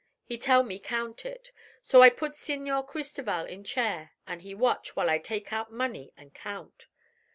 He tell me count it. So I put Señor Cristoval in chair an' he watch while I take out money an' count.